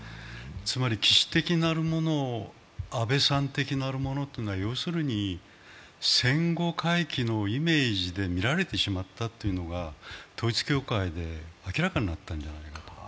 つまり、岸的なるものと安倍さん的なるものというのは、要するに戦後回帰のイメージで見られてしまったというのが統一教会で明らかになったんじゃないか。